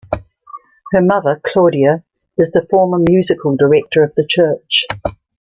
Her mother, Claudia, is the former musical director of the church.